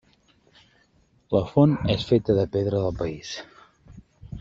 La font és feta de pedra del país.